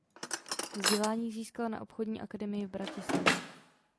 Vzdělání získal na Obchodní akademii v Bratislavě.